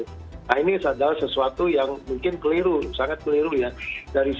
nah ini adalah sesuatu yang mungkin keliru sangat keliru ya